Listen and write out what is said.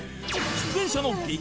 ［出演者の激